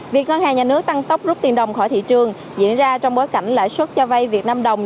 việc ngân hàng nhà nước tăng tốc rút tiền đồng khỏi thị trường diễn ra trong bối cảnh lãi suất cho vay việt nam đồng